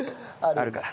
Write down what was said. あるから。